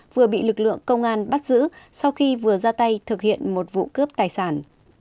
vừa bị lực lượng công an bắt giữ sau khi vừa ra tay thực hiện một vụ cướp tài sản